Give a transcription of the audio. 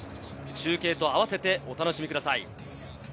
中継とあわせてお楽しみください。